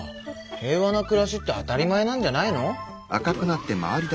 平和な暮らしって当たり前なんじゃないの？